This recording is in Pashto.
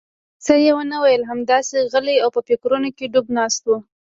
څه یې ونه ویل، همداسې غلی او په فکرونو کې ډوب ناست و.